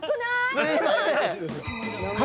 すいません。